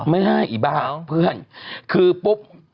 ไม่ได้อีบ้าเพื่อนคือปุ๊บ